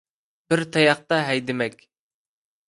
بىر تاياقتا ھەيدىمەك.